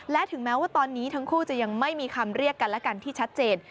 และถึงแม้ว่าตอนนี้ทั้งคู่จะยังไม่มีคำเรียกกันและกันที่ชัดเจน